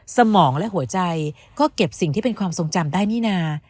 สมองและหัวใจก็เก็บสิ่งที่เป็นความทรงจำได้นี่นา